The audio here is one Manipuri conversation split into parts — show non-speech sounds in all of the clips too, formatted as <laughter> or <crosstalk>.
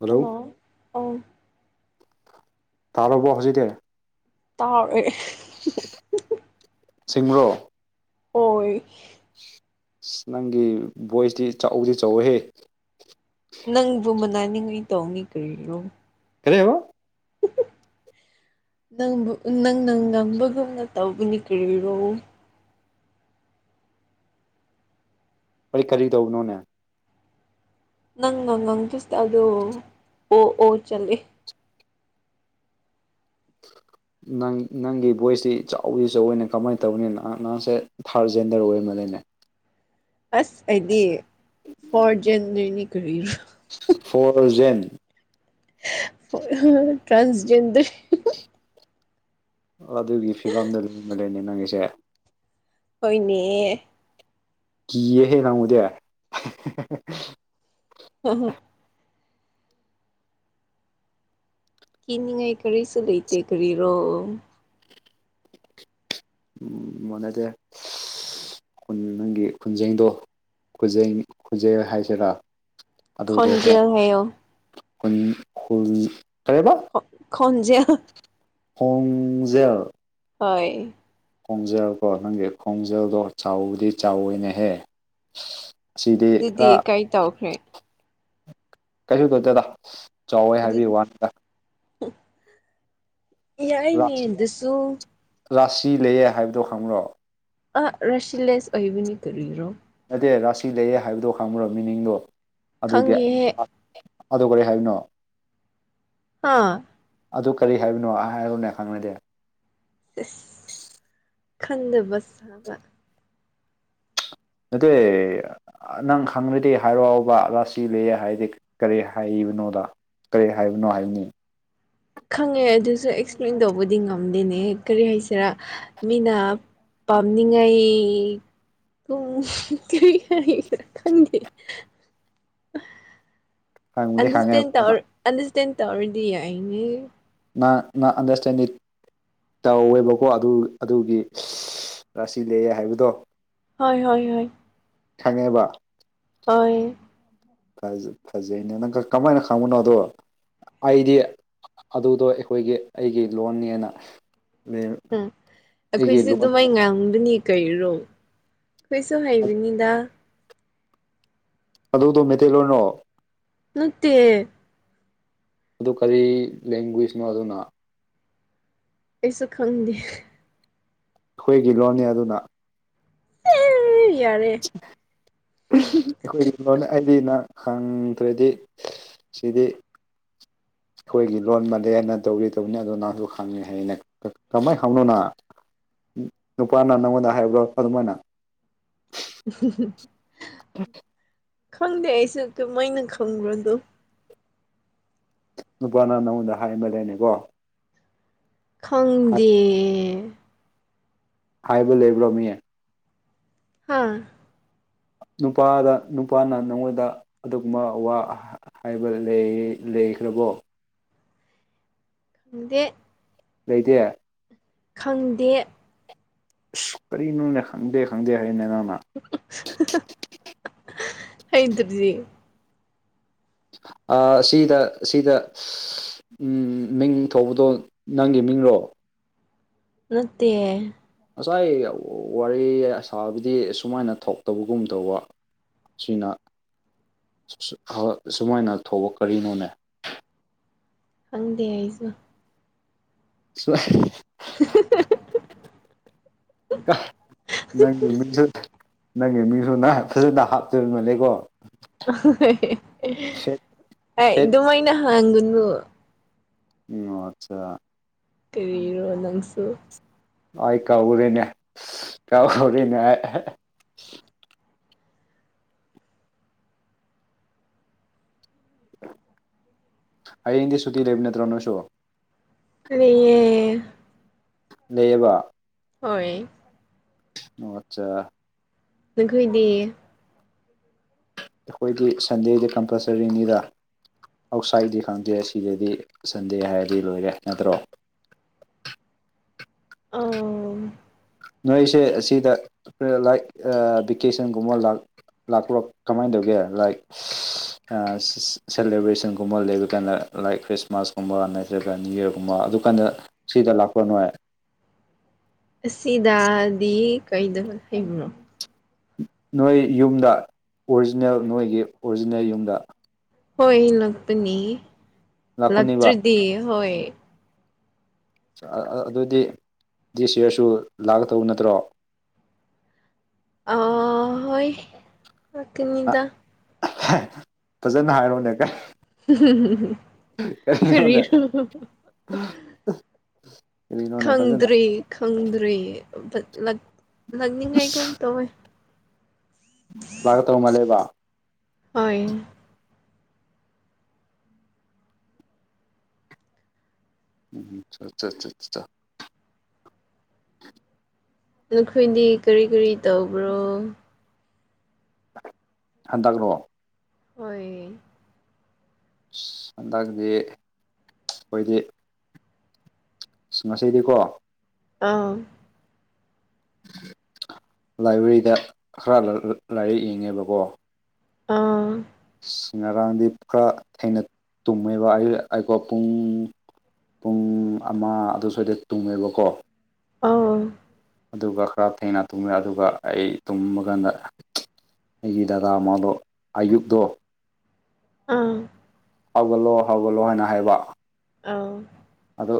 ꯍꯜꯂꯣ꯫ ꯑꯪ ꯇꯥꯔꯕ ꯍꯧꯖꯤꯛꯇꯤ꯫ ꯇꯥꯎꯔꯛꯑꯦ ꯁꯤꯁꯤꯡꯁꯤꯡꯉ꯭ꯔꯣ ꯑꯣꯏ ꯑꯁ ꯅꯪꯒꯤ ꯚꯣꯏꯁꯇꯤ ꯆꯥꯛꯎꯗꯤ ꯆꯥꯎꯋꯦꯍꯦ꯫ ꯅꯪꯕꯨ ꯃꯅꯥꯅꯤꯡꯉꯩ ꯇꯧꯅꯤ ꯀꯔꯤꯅꯣ <unintelligible> ꯅꯪꯕꯨ ꯅꯪꯅꯪ ꯉꯪꯕꯒꯨꯝꯅ ꯇꯧꯕꯅꯤ ꯀꯔꯤꯔꯣ꯫ ꯀꯔꯤ ꯀꯔꯤ ꯇꯧꯕꯅꯣꯅꯦ꯫ ꯅꯪ ꯅꯪꯪ ꯇꯁꯦ ꯑꯗꯨ ꯑꯣ ꯑꯣ ꯆꯠꯂꯦ ꯅꯪ ꯅꯪꯒꯤ ꯚꯣꯏꯁꯇꯤ ꯏꯆꯥꯎꯗꯤ ꯆꯥꯎꯋꯤꯅꯦ ꯀꯃꯥꯏꯅ ꯇꯧꯅꯤ ꯅꯍ ꯅꯍꯁꯦ ꯊꯥꯔꯠ ꯖꯦꯟꯗꯔ ꯑꯣꯏꯔꯝꯕ ꯂꯩꯅꯦ꯫ ꯑꯁ ꯑꯩꯗꯤ ꯐꯣꯔ ꯖꯟꯗꯅꯤ ꯀꯔꯤꯅꯣ꯫ ꯐꯣꯔꯖꯦꯟ ꯇ꯭ꯔꯥꯟꯁꯖꯦꯟꯗꯔ꯫ ꯑꯣ ꯑꯗꯨꯒꯤ ꯐꯤꯕꯝꯗꯨ ꯂꯨꯕ ꯂꯩꯅꯦ ꯅꯪꯒꯤꯁꯦ ꯍꯣꯏꯅꯦ ꯀꯌꯦ ꯍꯦ ꯅꯪꯃꯨꯗꯤ ꯍꯝ ꯍꯝ ꯀꯤꯅꯤꯡꯉꯥꯏ ꯀꯔꯤꯁꯨ ꯂꯩꯇꯦ ꯀꯔꯤꯔꯣ꯫ ꯃꯅꯗꯦ ꯎꯝ ꯅꯪꯒꯤ ꯈꯨꯟꯖꯦꯡꯗꯣ ꯈꯨꯖꯩꯡ ꯈꯨꯖꯩ ꯍꯥꯏꯁꯤꯔꯥ ꯑꯗꯨꯗ ꯈꯔ ꯈꯣꯟꯖꯦꯜ ꯍꯥꯏꯌꯣ ꯑꯩꯈꯣꯏ ꯍꯔꯦꯕ ꯈꯣꯟꯖꯦꯜ ꯍꯣꯡꯖꯦꯜ ꯍꯣꯏ꯫ ꯈꯣꯡꯖꯦꯜꯀꯣ ꯅꯪꯒꯤ ꯈꯣꯡꯖꯦꯜꯗꯣ ꯆꯥꯎꯕꯨꯗꯤ ꯆꯥꯎꯅꯍꯦꯛ ꯑꯁꯤꯗꯤ ꯑꯗꯨꯗꯤ ꯈꯔ ꯀꯩ ꯇꯧꯈ꯭ꯔꯦ ꯀꯩꯁꯨ ꯇꯧꯗꯦꯗ ꯆꯥꯎꯋꯦ ꯑꯗꯨ ꯍꯥꯏꯕꯤꯌꯨ ꯋꯥꯅꯤ ꯌꯥꯏꯅꯦ ꯔꯥꯁꯤ ꯑꯗꯨꯁꯨ ꯔꯥꯁꯤ ꯂꯩꯌꯦ ꯍꯥꯏꯕꯗꯣ ꯈꯪꯕ꯭ꯔꯣ ꯑ ꯔꯁꯤꯂꯦꯁ ꯍꯕꯅꯤ ꯇꯨꯔꯣ ꯅꯗꯦ ꯔꯥꯁꯤ ꯂꯩꯌꯦ ꯍꯥꯏꯕꯗꯣ ꯈꯪꯕ꯭ꯔꯣ ꯃꯤꯅꯤꯡꯗꯣ ꯑꯗꯨꯒꯤ ꯈꯪꯉꯦꯍꯦ ꯑꯗꯣ ꯀꯔꯤ ꯍꯥꯏꯕꯅꯣ ꯑꯥ ꯑꯗꯨ ꯀꯔꯤ ꯍꯥꯏꯕꯅꯣ ꯍꯥꯏꯔꯨꯅꯦ ꯈꯪꯅꯗꯦ ꯈꯟꯗꯕ ꯁꯥꯕ ꯅꯠꯇꯦ ꯅꯪ ꯈꯪꯂꯗꯤ ꯍꯥꯏꯔꯛꯑꯣꯕ ꯔꯥꯁꯤ ꯂꯩꯌꯦ ꯍꯥꯏꯗꯤ ꯀꯔꯤ ꯍꯥꯏꯕꯅꯣꯗ ꯀꯔꯤ ꯍꯥꯏꯕꯅꯣ ꯍꯥꯏꯕꯅꯤ ꯈꯪꯉꯦ ꯑꯗꯨꯁꯨ ꯑꯦꯛꯁꯄ꯭ꯂꯦꯟ ꯇꯧꯕꯗꯤ ꯉꯝꯗꯦꯅꯦ ꯀꯔꯤ ꯍꯥꯏꯁꯤꯔꯥ ꯃꯤꯅ ꯄꯥꯝꯅꯤꯡꯉꯥꯏ <unintelligible> ꯈꯪꯕꯨꯗꯤ ꯑꯟꯗꯔꯁꯇꯦꯟ ꯈꯪꯉꯦꯕ ꯇꯧꯔ ꯑꯟꯗꯔꯁꯇꯦꯟ ꯇꯧꯔꯗꯤ ꯌꯥꯏꯅꯦ ꯅ ꯅꯪ ꯑꯟꯗꯔꯁꯇꯦꯟꯗꯤ ꯇꯧꯋꯦꯕꯀꯣ ꯑꯗꯨ ꯑꯗꯨꯒꯤ ꯔꯁꯤ ꯂꯩꯑꯦ ꯍꯥꯏꯕꯗꯣ ꯍꯣꯏ ꯍꯣꯏ ꯍꯣꯏ ꯈꯪꯉꯦꯕ ꯍꯣꯏ ꯐꯖꯩꯅꯦ ꯅꯪ ꯀꯃꯥꯏꯅ ꯈꯪꯕꯅꯣꯗꯣ ꯑꯩꯗꯤ ꯑꯗꯨꯗꯣ ꯑꯩꯈꯣꯏꯒꯤ ꯑꯩꯒꯤ ꯂꯣꯟꯅꯦꯅ ꯑꯩꯒꯤ ꯎꯝ ꯑꯩꯈꯣꯏꯁꯨ ꯂꯣꯟ ꯑꯗꯨꯃꯥꯏ ꯉꯥꯡꯕꯅꯤ ꯀꯩꯔꯣ ꯈꯣꯏꯁꯨ ꯍꯩꯕꯅꯤꯗ ꯑꯗꯨꯗꯣ ꯃꯩꯇꯩꯂꯣꯟꯔꯣ ꯅꯠꯇꯦ ꯑꯗꯨ ꯀꯔꯤ ꯂꯦꯡꯒ꯭ꯋꯦꯖꯅꯣ ꯑꯗꯨꯅ ꯑꯩꯁꯨ ꯈꯪꯗꯦ ꯑꯩꯈꯣꯏꯒꯤ ꯂꯣꯟꯅꯤ ꯑꯗꯨꯅ ꯌꯥꯔꯦ <unintelligible> ꯑꯩꯗꯤꯅ ꯈꯪꯗ꯭ꯔꯗꯤ ꯁꯤꯗꯤ ꯑꯩꯈꯣꯏꯒꯤ ꯂꯣꯟ ꯃꯜꯂꯦꯅ ꯇꯧꯒꯦ ꯇꯧꯕꯅꯤ ꯑꯗꯨ ꯅꯪ ꯑꯗꯨ ꯈꯪꯉꯦ ꯍꯥꯏꯌꯦ ꯅꯪ ꯀꯃꯥꯏꯅ ꯍꯧꯅꯅ ꯅꯨꯄꯥꯅ ꯅꯪꯉꯣꯟꯗ ꯍꯥꯏꯕ꯭ꯔꯥ ꯈꯡꯕꯔꯥ ꯅꯪ <unintelligible> <unintelligible> ꯈꯪꯗꯦ ꯑꯩꯁꯦ ꯀꯃꯥꯏꯅ ꯈꯪꯕ꯭ꯔꯗꯣ ꯅꯨꯄꯥꯅ ꯅꯪꯉꯣꯟꯗ ꯍꯥꯏ ꯑꯃ ꯂꯩꯅꯤꯀꯣ ꯈꯪꯗꯦ ꯍꯥꯏꯕ ꯂꯩꯕ꯭ꯔꯣꯃꯤꯌꯦ ꯍꯥꯥ ꯅꯨꯄꯥꯗ ꯅꯨꯄꯥꯅ ꯅꯪꯉꯣꯟꯗ ꯑꯗꯨꯒꯨꯝꯕ ꯋꯥ ꯍꯥꯏꯕ ꯂꯩꯈ꯭ꯔꯕꯣ ꯗꯦ ꯂꯩꯇꯦ ꯈꯪꯗꯦ ꯑꯁ ꯀꯔꯤꯅꯣꯅꯦ ꯈꯪꯗꯦ ꯈꯪꯗꯦ ꯍꯥꯏꯔꯤꯅꯦ ꯅꯪꯅ <unintelligible> ꯁꯤꯗ ꯁꯤꯗ ꯎꯃ ꯃꯤꯡ ꯊꯧꯕꯗꯣ ꯅꯪꯒꯤ ꯃꯤꯡꯔꯣ ꯅꯠꯇꯦ ꯉꯁꯥꯏ ꯋꯥꯔꯤ ꯑꯁꯥꯕꯗꯤ ꯁꯨꯃꯥꯏꯅ ꯊꯣꯛꯇꯕꯒꯨꯝ ꯇꯧꯕ ꯁꯤꯅ ꯁꯨꯃꯥꯏꯅ ꯊꯣꯛꯕ ꯀꯔꯤꯅꯣꯅꯦ ꯈꯪꯗꯦ ꯑꯩꯁꯨ <unintelligible> <unintelligible> ꯅꯪꯒꯤ ꯃꯤꯁꯨ ꯅꯪꯒꯤ ꯃꯤꯁꯨ ꯅ ꯐꯖꯅ ꯍꯥꯞꯆꯕꯃꯜꯅꯦꯦꯀꯣ ꯑꯦ ꯐꯦꯠ ꯑꯗꯨꯃꯥꯏꯅ ꯍꯒꯨꯕꯨ ꯑꯣ ꯑꯠꯆꯥ ꯀꯔꯤꯔꯣ ꯅꯪꯁꯨ ꯑꯏ ꯀꯕꯨꯔꯤꯦꯅꯦ ꯀꯥꯎꯔꯤꯦꯅꯦ ꯑ ꯑꯗꯤ ꯁꯊꯤ ꯂꯩꯦꯕꯅꯠꯇ꯭ꯔꯣꯅꯣ ꯁꯣ ꯑ ꯂꯩꯕ ꯍꯣꯏ ꯑꯣ ꯑꯠꯆꯥ ꯅꯪꯈ ꯏꯗꯤ ꯑꯩꯈꯣꯏꯗꯤ ꯁꯟꯗꯦꯁ ꯀꯝꯄꯜꯁꯔꯤꯅꯤꯗ ꯑꯥꯎꯠꯁꯥꯏꯗꯗꯤ ꯈꯪꯗꯦ ꯁꯤꯗꯗꯤ ꯁꯟꯗꯦ ꯍꯥꯏꯔꯗꯤ ꯂꯣꯏꯔꯦ ꯅꯠꯇ꯭ꯔꯣ ꯑꯥ ꯅꯣꯏꯁꯦ ꯑꯁꯤꯗ ꯂꯥꯏꯛ ꯚꯦꯀꯦꯁꯟꯒꯨꯝꯕ ꯂ ꯂꯥꯛꯄ꯭ꯔꯣ ꯀꯃꯥꯏꯅ ꯇꯧꯒꯦ ꯂꯥꯏ ꯁꯦꯂꯤꯦꯕ꯭ꯔꯦꯁꯟꯒꯨꯝꯕ ꯂꯩꯕ ꯀꯩꯅ ꯂꯥꯏꯛ ꯈ꯭ꯔꯤꯁꯃꯥꯁ ꯀꯨꯝꯕ ꯅꯠꯇ ꯌꯔꯒꯨꯝꯕ ꯑꯗꯨ ꯀꯥꯟꯗ ꯁꯤꯗ ꯂꯥꯛꯄ ꯣꯥꯏ ꯑꯁꯤꯗꯗꯤ ꯀꯩꯗ ꯍꯕꯅꯣ ꯅꯣꯏ ꯌꯨꯝꯗ ꯑꯣꯔꯤꯖꯤꯅꯦꯜ ꯅꯣꯏꯒꯤ ꯑꯣꯔꯤꯖꯤꯅꯦꯜ ꯌꯨꯝꯗ ꯍꯣꯏ ꯂꯥꯛꯄꯅꯤ ꯂꯥꯛꯄꯅꯦꯕ ꯂꯛꯇ꯭ꯔꯗꯤ ꯍꯣꯏ ꯑꯗꯨꯑꯣꯗꯤ ꯗꯤ ꯁꯤꯌꯔꯁꯨ ꯂꯥꯛꯀꯗꯧꯕ ꯅꯠꯇ꯭ꯔꯣ ꯑ ꯍꯣꯏ ꯀꯅꯤꯗ ꯐꯖꯅ ꯍꯥꯏꯔꯣꯅꯦ ꯀꯩ ꯀ ꯐꯗ ꯀꯔꯤꯔꯣ ꯈꯪꯗ꯭ꯔꯤ ꯈꯪꯗ꯭ꯔꯤ ꯂꯛꯅꯤꯡꯉꯥꯏꯒꯨꯝ ꯇꯧꯋꯦ ꯂꯥꯛꯒ ꯇꯧ ꯃꯥꯜꯂꯦꯕ ꯍꯣꯏ ꯎꯝ ꯅꯈꯣꯏꯗꯤ ꯀꯔꯤ ꯀꯔꯤ ꯇꯧꯕ꯭ꯔꯣ ꯍꯟꯗꯛ꯭ꯔꯣ ꯍꯣꯏ ꯍꯟꯗꯥꯡꯁꯤ ꯑꯩꯈꯣꯏꯗꯤ ꯑꯁ ꯉꯁꯗꯤꯀꯣ ꯑꯥ ꯂꯥꯏꯕ꯭ꯔꯦꯔꯤꯗ ꯈꯔ ꯂꯥꯏꯔꯤꯛ ꯌꯦꯡꯉꯦꯕꯀꯣ ꯑꯥ ꯉꯔꯥꯡꯗꯤ ꯈꯔ ꯊꯦꯡꯅ ꯇꯨꯝꯃꯦꯕ ꯑꯩ ꯑꯩꯀꯣ ꯄꯨꯡ ꯄꯨꯡ ꯑꯃ ꯑꯗꯨ ꯁ꯭ꯋꯥꯏꯗ ꯇꯨꯡꯉꯦꯕꯀꯣ ꯑꯥꯎ ꯑꯗꯨꯒ ꯈꯔ ꯊꯦꯡꯅ ꯇꯨꯝꯃꯦ ꯑꯗꯨꯒ ꯑꯩ ꯇꯨꯝꯃꯀꯥꯟꯗ ꯑꯩꯒꯤ ꯗꯗꯥ ꯃ ꯃꯥꯥꯂꯣ ꯑꯌꯨꯛꯗꯣ ꯑꯥ ꯍꯧꯒꯠꯂꯣ ꯍꯧꯒꯠꯂꯣ ꯍꯥꯏꯅ ꯍꯥꯏꯕ ꯑꯧ ꯑꯗꯣ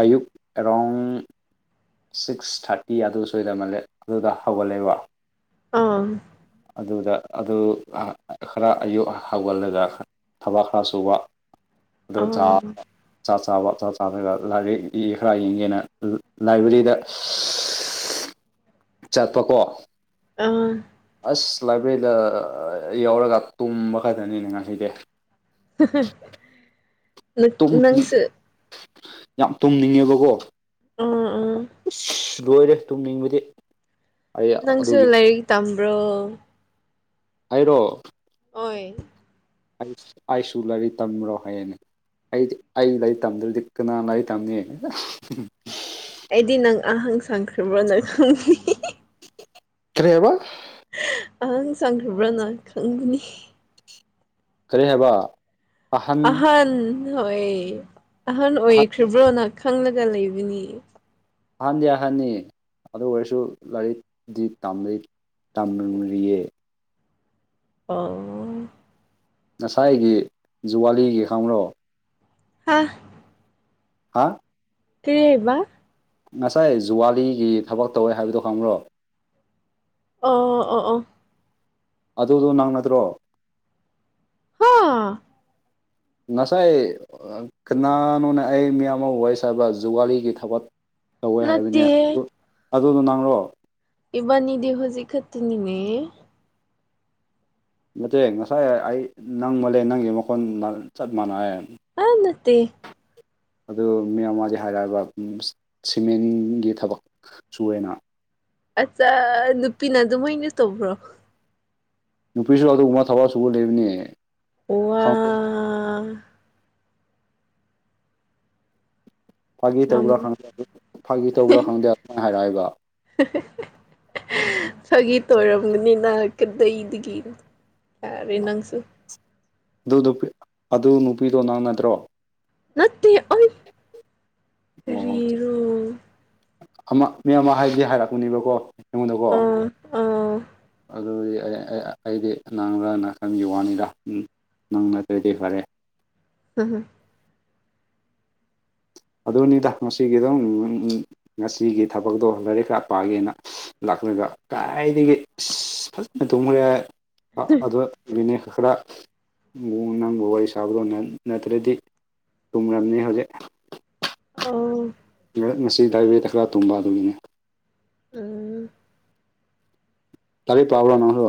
ꯑꯌꯨꯛ ꯑꯦꯔꯥꯎꯟ ꯁꯤꯛꯁ ꯊꯥꯔꯇꯤ ꯑꯗꯨ ꯁꯣꯏꯗꯃꯜꯂꯦ ꯑꯗꯨꯗ ꯍꯧꯒꯜꯂꯦꯕ ꯑꯥ ꯑꯗꯨꯗ ꯑꯗꯨ ꯈꯔ ꯑꯌꯨꯛ ꯍꯧꯒꯠꯂꯒ ꯊꯕꯛ ꯈꯔ ꯁꯨꯕ ꯑꯗꯣ ꯆꯥ ꯑꯥ ꯆꯥꯛ ꯆꯥꯕ ꯆꯥꯛ ꯆꯥꯗꯒ ꯂꯥꯏꯕ ꯈꯔ ꯌꯦꯡꯒꯦꯅ ꯂꯥꯏꯕ꯭ꯔꯦꯔꯤꯗ ꯆꯠꯄ ꯀꯣ ꯑꯥ ꯑꯁ ꯂꯥꯏꯕ꯭ꯔꯦꯔꯤꯗ ꯌꯥꯎꯔꯒ ꯇꯨꯝꯕ ꯈꯛꯇꯅꯤꯅꯦ ꯉꯥꯍꯩꯗꯤ <unintelligible> ꯨꯇꯨꯝ ꯅꯪꯁꯨ ꯌꯥꯝ ꯇꯨꯝꯅꯤꯡꯉꯦꯕꯀꯣ ꯎꯝ ꯎꯝ ꯂꯣꯏꯔꯦ ꯇꯨꯝꯅꯤꯡꯕꯗꯤ ꯑꯩ ꯅꯪꯁꯨ ꯑꯗꯨꯒꯤ ꯂꯥꯏꯔꯤꯛ ꯇꯝꯕ꯭ꯔꯣ ꯑꯩꯔꯣ ꯑꯣꯏ ꯑꯩ ꯑꯩꯁꯨ ꯂꯥꯏꯔꯤꯛ ꯇꯝꯕ꯭ꯔꯣ ꯍꯥꯏꯌꯦꯅꯦ ꯑꯩꯗꯤ ꯑꯩ ꯂꯥꯏꯔꯤꯛ ꯇꯝꯗ꯭ꯔꯗꯤ ꯀꯅꯥ ꯂꯥꯏꯔꯤꯛ ꯇꯝꯅꯤ ꯑꯩꯗꯤ ꯅꯪ ꯑꯍꯜ ꯁꯪꯈ꯭ꯕ꯭ꯔꯣꯅꯪ ꯈꯪꯗꯦ ꯀꯔꯤꯌꯦꯕ ꯑꯉꯥꯡ ꯆꯪꯈ꯭ꯔꯕ꯭ꯔꯅ ꯈꯪꯒꯅꯤ ꯀꯔꯤ ꯍꯥꯏꯕ ꯑꯍꯟ ꯍꯣꯏ ꯑꯍꯟ ꯑꯣꯏꯈ꯭ꯔꯕ꯭ꯔꯣꯅ ꯈꯟꯂꯒ ꯂꯩꯕꯅꯤ ꯑꯍꯟꯗꯤ ꯑꯍꯟꯅꯤ ꯑꯗꯨ ꯑꯣꯏꯔꯁꯨ ꯂꯥꯏꯔꯤꯛꯇꯤ ꯇꯝꯅꯩ ꯇꯝꯔꯤꯌꯦ ꯑ ꯉꯁꯥꯏꯒꯤ ꯖꯨꯋꯥꯂꯤꯒꯤ ꯈꯪꯕ꯭ꯔꯣ ꯍꯥ ꯑꯥ ꯀꯔꯤ ꯍꯥꯏꯕ ꯉꯁꯥꯏ ꯖꯨꯋꯥꯂꯤꯒꯤ ꯊꯕꯛ ꯇꯧꯋꯦ ꯍꯥꯏꯕꯗꯣ ꯈꯪꯕ꯭ꯔꯣ ꯑꯣ ꯑꯣ ꯑꯣ ꯑꯗꯨꯗꯣ ꯅꯪ ꯅꯠꯇꯔꯣ ꯍ ꯉꯁꯥꯏ ꯀꯅꯥꯅꯣꯅꯦ ꯑꯩ ꯃꯤꯌꯥꯝ ꯑꯃ ꯋꯥꯔꯤ ꯁꯥꯕ ꯖꯨꯋꯥꯂꯤꯒꯤ ꯊꯕꯛ ꯇꯧꯋꯦ ꯍꯥꯏꯕꯅꯦ ꯅꯠꯇꯦꯍꯦ ꯑꯗꯨ ꯑꯗꯨꯗꯣ ꯅꯪꯂꯣ ꯏꯕꯥꯅꯤꯗꯤ ꯍꯧꯖꯤꯛ ꯈꯛꯇꯅꯤꯅꯦ ꯅꯠꯇꯦ ꯉꯁꯥꯏ ꯑꯩ ꯅꯪ ꯃꯜꯂꯦ ꯅꯪꯒꯤ ꯃꯈꯣꯟ ꯆꯞ ꯃꯥꯟꯅꯩ ꯑ ꯅꯠꯇꯦ ꯑꯗꯨ ꯃꯤ ꯑꯃ ꯍꯥꯏꯔꯛꯑꯕ ꯁꯤꯃꯦꯟꯒꯤ ꯊꯕꯛ ꯁꯨꯋꯦꯅ ꯑꯆꯥ ꯅꯨꯄꯤꯅ ꯑꯗꯨꯃꯥꯏꯅ ꯇꯧꯕ꯭ꯔꯣ ꯅꯨꯄꯤꯁꯨ ꯑꯗꯨꯒꯨꯝꯕ ꯊꯕꯛ ꯑꯆꯧꯕꯥ ꯂꯩꯕꯅꯦ ꯋꯥ ꯐꯥꯒꯤ ꯌꯥꯝ ꯇꯧꯕ꯭ꯔꯥ ꯈꯪꯗꯦ ꯐꯥꯒꯤ ꯇꯧꯕ꯭ꯔꯥ ꯈꯪꯗꯦ ꯑꯗꯨꯃꯥꯏ ꯍꯥꯏꯔꯑꯦ ꯍꯥꯏꯕ <unintelligible> ꯐꯥꯒꯤ ꯇꯧꯔꯝꯒꯅꯤꯅ ꯀꯗꯩꯗꯒꯤ ꯌꯥꯔꯦ ꯅꯪꯁꯨ ꯑꯗꯨ ꯅꯨꯄꯤ ꯑꯗꯨ ꯅꯨꯄꯤꯗꯣ ꯅꯪꯅꯗ꯭ꯔꯣ ꯅꯠꯇꯦ ꯑꯩ ꯑꯣ ꯀꯔꯤꯔꯣ ꯑꯃ ꯃꯤ ꯑꯃ ꯍꯥꯏꯗꯤ ꯍꯥꯏꯔꯛꯄꯅꯦꯕꯀꯣ ꯑꯩꯉꯣꯟꯗꯀꯣ ꯑꯥ ꯑꯥ ꯑꯗꯨꯗꯤ ꯑꯩ ꯑꯩ ꯑꯩ ꯑꯩꯗꯤ ꯅꯪꯔꯅ ꯈꯟꯒꯤ ꯋꯥꯅꯤꯗ ꯎꯝ ꯅꯪ ꯅꯠꯇ꯭ꯔꯗꯤ ꯐꯔꯦ ꯍꯨꯝ ꯍꯨꯝ ꯑꯗꯨꯅꯤꯗ ꯉꯁꯤꯒꯤꯗꯨꯝ ꯉꯁꯤꯒꯤ ꯊꯕꯛꯇꯣ ꯂꯥꯏꯔꯤꯛ ꯈꯔ ꯄꯥꯒꯦꯅ ꯂꯥꯛꯂꯒ ꯀꯥꯏꯗꯒꯤ ꯏꯁ ꯐꯖꯅ ꯇꯨꯝꯈ꯭ꯔꯦ ꯍꯥꯏ ꯑ ꯑꯗꯨꯗ ꯃꯤꯅꯤꯠ ꯈꯔ ꯔꯨꯡ ꯅꯪꯕꯨ ꯋꯥꯔꯤ ꯁꯥꯕꯗꯣ ꯅꯠ ꯅꯠꯇ꯭ꯔꯗꯤ ꯊꯨꯝꯔꯝꯅꯤ ꯍꯧꯖꯤꯛ ꯑꯣ ꯉꯔꯛ ꯉꯁꯤ ꯂꯥꯏꯕꯦꯔꯤꯗ ꯈꯔ ꯇꯨꯝꯕ ꯑꯗꯨꯒꯤꯅꯦ ꯎꯝ ꯂꯥꯏꯔꯤꯛ ꯄꯥꯕ꯭ꯔꯣ ꯅꯪ ꯍꯨ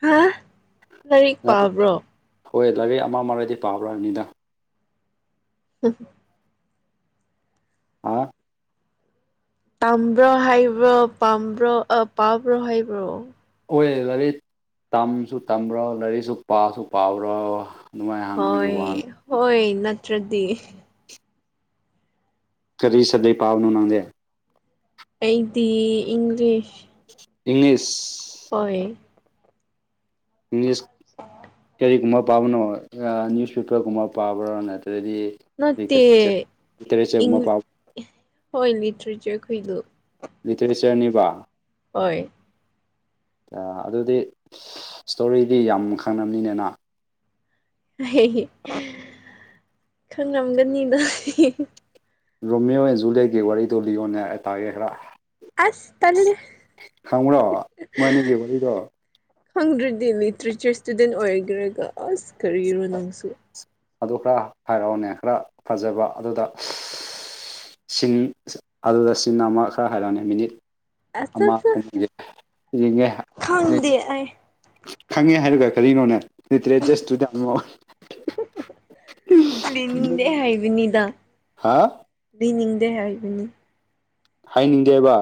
ꯍꯥ ꯂꯥꯏꯔꯤꯛ ꯍꯣꯏ ꯂꯥꯏꯔꯤꯛ ꯑꯃ ꯑꯃꯒꯗꯤ ꯄꯥꯕ꯭ꯔ ꯍꯥꯏꯕꯅꯤꯗ <unintelligible> ꯍꯥ ꯇꯝꯕ꯭ꯔꯣ ꯍꯥꯏꯕ꯭ꯔꯣ ꯄꯥꯝꯕ꯭ꯔꯣ ꯑ ꯄꯥꯕ꯭ꯔꯣ ꯍꯥꯏꯕ꯭ꯔꯣ ꯑꯣꯏ ꯂꯥꯏꯔꯤꯛ ꯇꯝꯁꯨ ꯇꯝꯕ꯭ꯔꯣ ꯂꯥꯏꯔꯤꯛꯁꯨ ꯄꯥꯁꯨ ꯄꯥꯕ꯭ꯔꯣ ꯑꯗꯨꯃꯥꯏꯅ ꯍꯪꯕꯒꯤ ꯍꯣꯏ ꯋꯥꯅꯤ ꯍꯣꯏ ꯅꯠꯇ꯭ꯔꯗꯤ ꯀꯔꯤ ꯁꯕꯍꯦꯛ ꯄꯥꯕꯅꯣ ꯅꯪꯗꯤ ꯑꯩꯗꯤ ꯏꯪꯂꯤꯁ ꯏꯪꯂꯤꯁ ꯍꯣꯏ ꯏꯪꯂꯤꯁ ꯀꯔꯤ ꯃꯞ ꯄꯥꯕꯅꯣ ꯑ ꯅ꯭ꯌꯨꯁꯄꯦꯄꯔꯒꯨꯝꯕ ꯄꯥꯕ꯭ꯔꯥ ꯅꯠꯇ꯭ꯔꯗꯤ ꯅꯠꯇꯦ ꯂꯤꯇꯔꯦꯆꯔ ꯏꯪ ꯂꯤꯇꯔꯦꯆꯔꯒꯨꯝꯕ ꯄꯥꯎ ꯍꯣꯏ ꯂꯤꯇ꯭ꯔꯦꯆꯔ ꯑꯩꯈꯣꯏꯗꯣ ꯂꯤꯇꯔꯦꯆꯔꯅꯤꯕ ꯍꯣꯏ ꯑ ꯑꯗꯨꯗꯤ ꯏꯁ꯭ꯇꯣꯔꯤꯗꯤ ꯌꯥꯝ ꯈꯪꯉꯝꯅꯤꯅꯦꯅ ꯈꯪꯉꯝꯒꯅꯤꯗ ꯔꯣꯃꯤꯌꯣ ꯑꯦꯟ ꯖꯨꯂꯦꯠꯒꯤ ꯋꯥꯔꯤꯗꯨ ꯂꯤꯌꯣꯅꯦ ꯑꯩ ꯇꯥꯒꯦ ꯈꯔ ꯑꯁ ꯇꯜꯂꯦ ꯈꯪꯕ꯭ꯔꯣ ꯃꯣꯏ ꯑꯅꯤꯒꯤ ꯋꯥꯔꯤꯗꯣ ꯈꯪꯗ꯭ꯔꯗꯤ ꯂꯤꯇ꯭ꯔꯦꯆꯔ ꯏꯁꯇꯨꯗꯦꯟ ꯑꯣꯏꯒꯔꯒ ꯑꯁ ꯀꯔꯤꯔꯣ ꯅꯪꯁꯨ ꯑꯗꯨ ꯈꯔ ꯍꯥꯏꯔꯛꯑꯣꯅꯦ ꯈꯔ ꯐꯖꯕ ꯑꯗꯨꯗ ꯁꯤꯟ ꯑꯗꯨꯗ ꯁꯤꯟ ꯑꯃ ꯈꯔ ꯍꯥꯏꯔꯛꯑꯣꯅꯦ ꯃꯤꯅꯤꯠ ꯑꯠꯆꯥ ꯑꯃ ꯆꯥ ꯍꯨꯝꯒꯤ ꯌꯦꯡꯉꯦ ꯈꯪꯗꯦ ꯑꯩ ꯈꯪꯉꯦ ꯍꯥꯏꯔꯒ ꯀꯔꯤꯅꯣꯅꯦ ꯂꯤꯇꯔꯦꯆꯔ ꯏꯁꯇꯨꯗ ꯍꯪꯉꯣ ꯂꯩꯅꯤꯡꯗꯦ ꯍꯥꯏꯕꯅꯤꯗ ꯍꯥ ꯂꯩꯅꯤꯡꯗꯦ ꯍꯥꯏꯕꯅꯤ ꯍꯥꯏꯅꯤꯡꯗꯦꯕ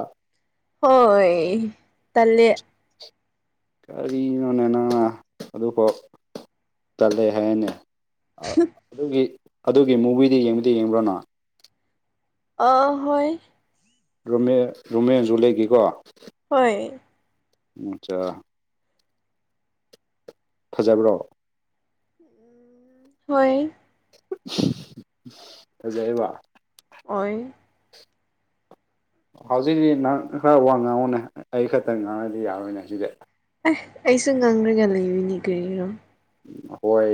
ꯍꯣꯏ ꯇꯜꯂꯦ ꯀꯔꯤꯅꯣꯅꯦ ꯅꯪꯅ ꯑꯗꯨꯐꯥꯎ ꯇꯜꯂꯦ ꯍꯥꯏꯑꯦꯅꯦ ꯑ ꯑꯗꯨꯒꯤ ꯑꯗꯨꯒꯤ ꯃꯨꯚꯤꯗꯤ ꯌꯦꯡꯕꯗꯤ ꯌꯦꯡꯕ꯭ꯔꯣꯅ ꯑ ꯍꯣꯏ ꯔꯣꯃꯤꯌꯔ ꯔꯣꯃꯦ ꯑꯦꯟ ꯖꯨꯂꯦꯠ ꯀꯤꯀꯣ ꯍꯣꯏ ꯑꯆꯥ ꯐꯖꯕ꯭ꯔꯣ ꯍꯣꯏ ꯐꯖꯩꯔꯤꯕ ꯑꯣꯏ ꯍꯧꯖꯤꯛ ꯅꯪ ꯈꯔ ꯋꯥ ꯉꯥꯡꯉꯅꯦ ꯑꯩ ꯈꯛꯇꯪ ꯉꯥꯡꯉꯗꯤ ꯌꯥꯔꯣꯏꯅꯦ ꯍꯧꯗꯤ ꯑꯦꯁ ꯑꯩꯁꯨ ꯉꯪꯈ꯭ꯔꯒ ꯂꯩꯔꯤꯅꯤ ꯀꯔꯤꯔꯣ ꯍꯣꯏ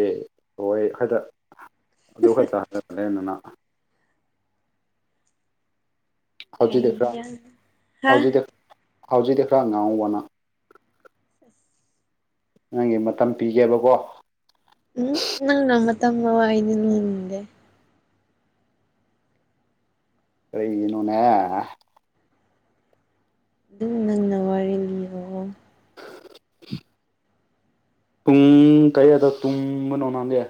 ꯍꯣꯏ ꯈꯛꯇ ꯑꯗꯨ ꯈꯛꯇ ꯍꯔꯦ ꯑꯗꯨꯅ ꯍꯧꯖꯤꯛ ꯈꯔ ꯑꯩꯌꯥ ꯍꯥ ꯍꯧꯖꯤ ꯍꯧꯖꯤꯛꯗꯤ ꯈꯔ ꯉꯥꯎꯕꯅ ꯅꯪꯒꯤ ꯃꯇꯝ ꯄꯤꯒꯦꯕꯀꯣ ꯎꯝ ꯅꯪꯃ ꯇꯃ ꯍꯥꯏꯗꯅꯦ ꯀꯔꯤꯒꯤꯅꯣꯅꯦ ꯑꯗꯨꯝ ꯅꯪꯅ ꯋꯥꯔꯤ ꯂꯤꯔꯛꯑꯣ <unintelligible> ꯇꯨꯡ ꯀꯌꯥꯗ ꯇꯨꯡꯕꯅꯣꯅꯥꯗꯦ